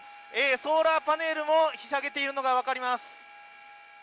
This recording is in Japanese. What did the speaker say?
ソーラーパネルもひしゃげているのが分かります。